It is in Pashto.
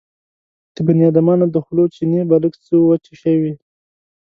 د بنيادمانو د خولو چينې به لږ څه وچې شوې.